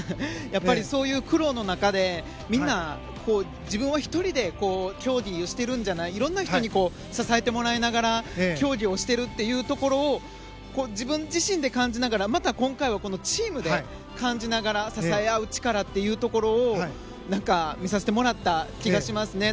やっぱりそういう苦労の中でみんな自分は１人で競技をしているんじゃない色んな人に支えてもらいながら競技をしているというところを自分自身で感じながら今回はまたチームで支え合いながら支え合う力というところを見させてもらった気がします。